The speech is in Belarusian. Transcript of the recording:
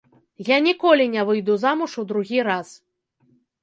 Я ніколі не выйду замуж у другі раз!